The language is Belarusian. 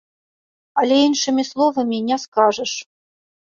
Але іншымі словамі не скажаш.